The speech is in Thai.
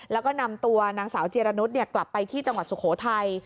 แล้วก็นำตัวนางสาวจิรนุษย์กลับไปที่จังหวัดสุโขทัย